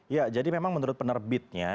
ya jadi memang menurut penerbitnya